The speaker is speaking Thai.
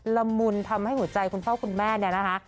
ละมุนทำให้หัวใจหุ่นเจ้าคุณแม่เนี่ยนะฮะ